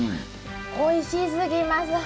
おいしすぎます。